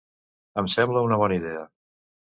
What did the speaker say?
Em sembla una bona idea.